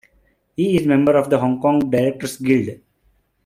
He is a member of the Hong Kong Directors' Guild.